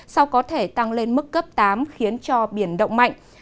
sau có thể tăng lên mức cấp tám khiến cho biển động mạnh